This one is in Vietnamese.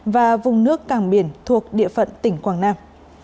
và vùng nước cảng biển thuộc địa phận tỉnh quảng nam